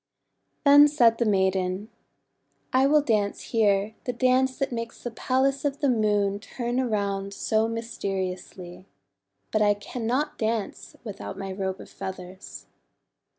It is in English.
Then said the maiden: :'I will dance here the dance that makes the Palace of the Moon turn around so mysteriously. But I cannot dance without my Robe of Feathers."